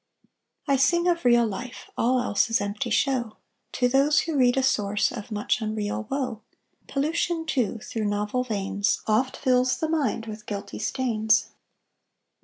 I sing of real life; All else is empty show To those who read a source Of much unreal woe: Pollution, too, Through novel veins, Oft fills the mind With guilty stains.